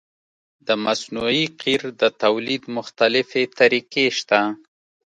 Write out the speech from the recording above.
د مصنوعي قیر د تولید مختلفې طریقې شته